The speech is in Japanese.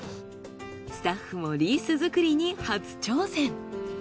スタッフもリース作りに初挑戦。